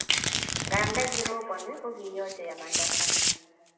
Nganda kiroponi ko kiyochei amanda sang